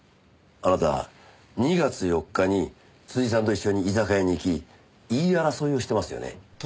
あなた２月４日に辻さんと一緒に居酒屋に行き言い争いをしてますよね？